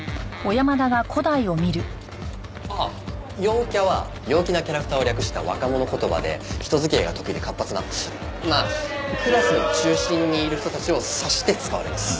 ああ「陽キャ」は「陽気なキャラクター」を略した若者言葉で人付き合いが得意で活発なまあクラスの中心にいる人たちを指して使われます。